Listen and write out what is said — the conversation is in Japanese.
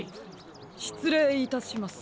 しつれいいたします。